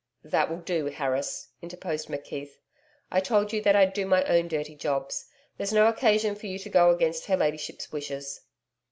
'That will do, Harris,' interposed McKeith. 'I told you that I'd do my own dirty jobs. There's no occasion for you to go against her ladyship's wishes.'